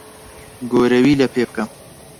گۆرەوی لەپێ بکە.